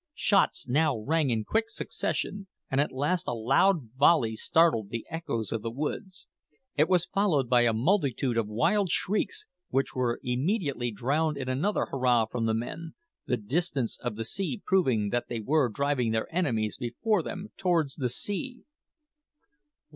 Shots now rang in quick succession, and at last a loud volley startled the echoes of the woods. It was followed by a multitude of wild shrieks, which were immediately drowned in another hurrah from the men, the distance of the sound proving that they were driving their enemies before them towards the sea.